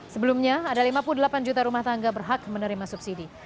sebelumnya ada lima puluh delapan juta rumah tangga berhak menerima subsidi